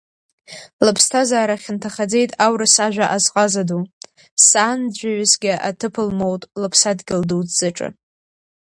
Лыԥсҭазаара хьанҭахаӡеит аурыс ажәа азҟаза ду, саанӡәӡәаҩысгьы аҭыԥ лмоут лыԥсадгьыл дуӡӡаҿы.